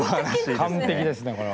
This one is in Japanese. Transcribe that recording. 完璧ですねこれは。